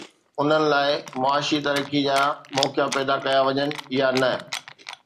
انهن لاءِ معاشي ترقي جا موقعا پيدا ڪيا وڃن يا نه؟